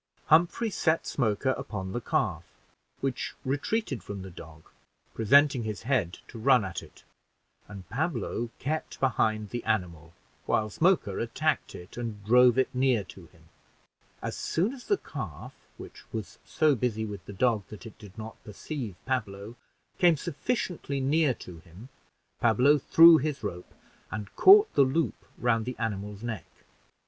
Humphrey set Smoker upon the calf, which retreated from the dog, presenting his head to run at it; and Pablo kept behind the animal, while Smoker attacked it, and drove it near to him. As soon as the calf, which was so busy with the dog that it did not perceive Pablo, came sufficiently near to him, Pablo threw his rope, and caught the loop round the animal's neck.